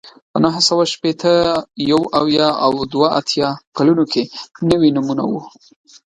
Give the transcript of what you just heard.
په نهه سوه شپېته، یو اویا او دوه اتیا کلونو کې نوي نومونه وو